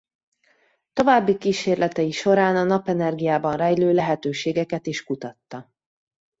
További kísérletei során a napenergiában rejlő lehetőségeket is kutatta.